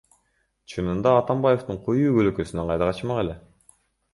Чынында Атамбаевдин коюу көлөкөсүнөн кайда качмак эле?